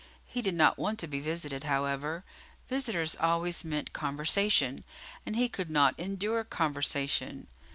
He did not want to be visited, however; visitors always meant conversation, and he could not endure conversation.